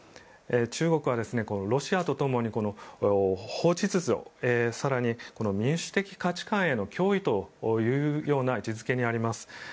中国はロシアとともに更に民主的価値観への脅威というような位置付けにあります。